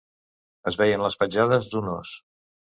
Es veien les petjades d'un os.